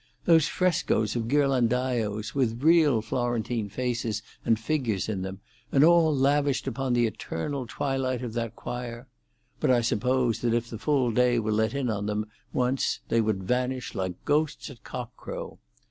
Those frescoes of Ghirlandajo's with real Florentine faces and figures in them, and all lavished upon the eternal twilight of that choir—but I suppose that if the full day were let in on them, once, they would vanish like ghosts at cock crow!